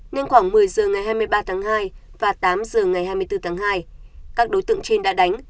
nên khoảng một mươi h ngày hai mươi ba tháng hai và tám h ngày hai mươi bốn tháng hai các đối tượng trên đã đánh